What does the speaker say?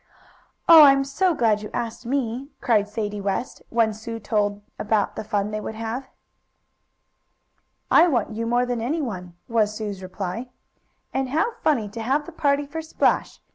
"Oh, I'm so glad you asked me!" cried Sadie West, when Sue told about the fun they would have. "I want you more than anyone," was Sue's reply. "And how funny to have the party for Splash!"